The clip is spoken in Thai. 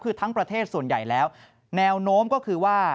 คือทั้งประเทศส่วนใหญ่แล้วแนวโน้มก็คือว่า